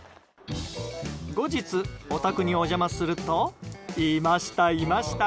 後日、お宅にお邪魔するといました、いました。